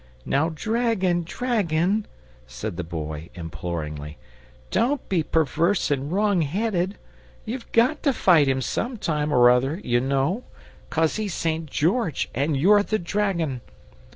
"Now dragon, dragon," said the Boy imploringly, "don't be perverse and wrongheaded. You've GOT to fight him some time or other, you know, 'cos he's St. George and you're the dragon.